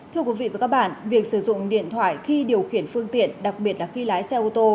thưa quý vị và các bạn việc sử dụng điện thoại khi điều khiển phương tiện đặc biệt là khi lái xe ô tô